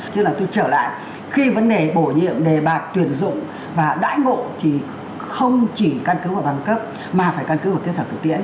chứ là tôi trở lại khi vấn đề bổ nhiệm đề bạc tuyển dụng và đãi ngộ thì không chỉ căn cứ vào bằng cấp mà phải căn cứ vào kết thảo thực tiễn